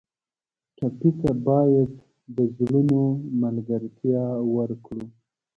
ټپي ته باید د زړونو ملګرتیا ورکړو.